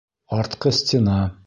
Артҡы стена